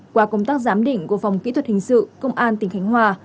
qua công tác giám định của phòng kỹ thuật hình sự công an tỉnh khánh hòa